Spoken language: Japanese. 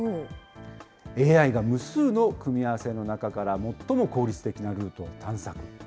ＡＩが無数の組み合わせの中から最も効率的なルートを探索。